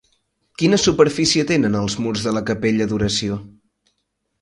Quina superfície tenen els murs de la capella d'oració?